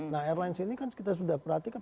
nah airlines ini kan kita sudah perhatikan